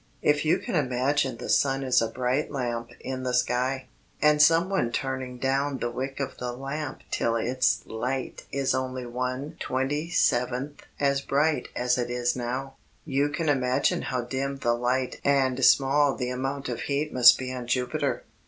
If you can imagine the sun as a bright lamp in the sky, and someone turning down the wick of the lamp till its light is only one twenty seventh as bright as it is now, you can imagine how dim the light and small the amount of heat must be on Jupiter."